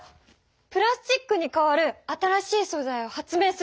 プラスチックにかわる新しいそざいを発明すれば！